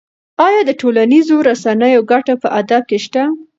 ایا د ټولنیزو رسنیو ګټه په ادب کې شته؟